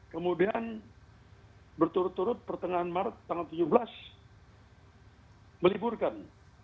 kemudian berturut turut pertengahan maret tanggal tujuh belas meliburkan